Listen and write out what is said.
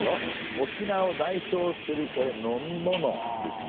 沖縄を代表するこれ飲み物ですね。